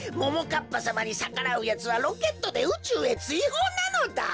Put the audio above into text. かっぱさまにさからうやつはロケットでうちゅうへついほうなのだ！